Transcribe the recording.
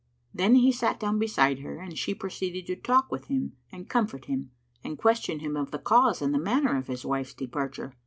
Then he sat down beside her and she proceeded to talk with him and comfort him and question him of the cause and the manner of his wife's departure.